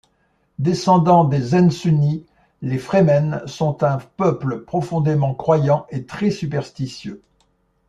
Descendant des Zensunni, les Fremen sont un peuple profondément croyant, et très superstitieux.